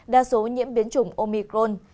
đa số nhiễm biến chủng omicron